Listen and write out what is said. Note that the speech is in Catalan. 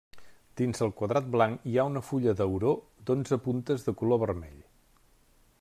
Dins el quadrat blanc hi ha una fulla d'auró d'onze puntes de color vermell.